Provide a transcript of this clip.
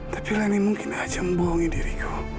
tapi leni mungkin aja membohongi diriku